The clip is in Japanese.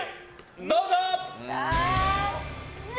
どうぞ。